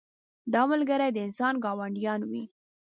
دا ملګري د انسان ګاونډیان وي.